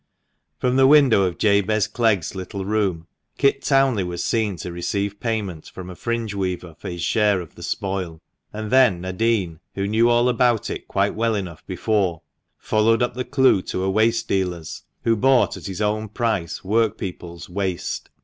From the window of Jabez Clegg's little room, Kit Townley was seen to receive payment from a fringe weaver for his share of the spoil ; and then Nadin, who knew all about it quite well enough before, followed up the clue to a waste dealer's who bought at his own price workpeople's "waste" (*>.